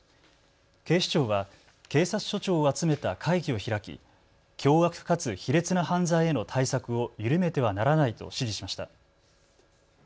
警視庁は警察署長を集めた会議を開き凶悪かつ卑劣な犯罪への対策を緩めてはならないと指示しました。